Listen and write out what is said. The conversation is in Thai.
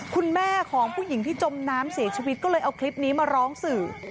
คุณแม่ของผู้หญิงที่จมน้ำเสียชีวิตก็เลยเอาคลิปนี้มาร้องสื่อ